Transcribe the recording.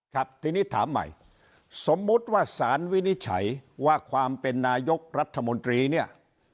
ครับทีนี้ถามใหม่สมมุติว่าสารวินิจฉัยว่าความเป็นนายกรัฐมนตรีเนี่ย